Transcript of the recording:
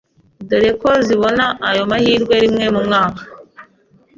dore ko zibona ayo mahirwe rimwe mu mwaka